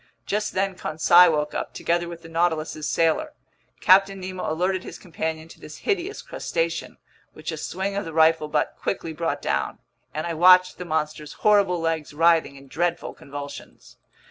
Just then Conseil woke up, together with the Nautilus's sailor. Captain Nemo alerted his companion to this hideous crustacean, which a swing of the rifle butt quickly brought down, and I watched the monster's horrible legs writhing in dreadful convulsions.